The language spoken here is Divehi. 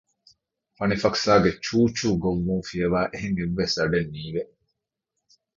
ފަނިފަކުސާގެ ޗޫޗޫ ގޮއްވުން ފިޔަވައި އެހެން އެއްވެސް އަޑެއް ނީވެ